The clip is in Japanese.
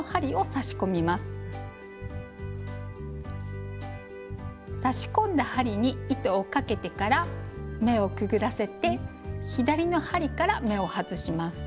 差し込んだ針に糸をかけてから目をくぐらせて左の針から目を外します。